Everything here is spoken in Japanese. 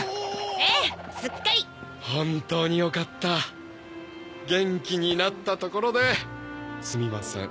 ええすっかり本当によかった元気になったところですみません